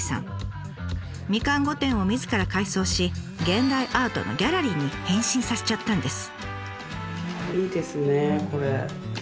みかん御殿をみずから改装し現代アートのギャラリーに変身させちゃったんです。